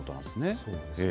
そうですね。